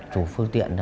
chủ phương tiện